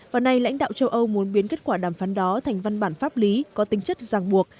và nay lãnh đạo châu âu muốn biến kết quả đàm phán đó thành văn bản pháp lý có tính chất giang buộc